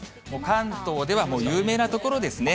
関東ではもう有名な所ですね。